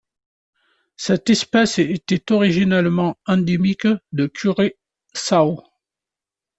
Cette espèce était originellement endémique de Curaçao.